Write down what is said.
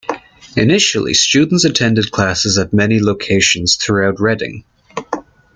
Initially students attended classes at many locations throughout Reading.